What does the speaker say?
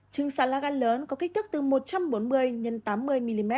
trứng sán lá gan lớn có kích thước từ một trăm bốn mươi x tám mươi mm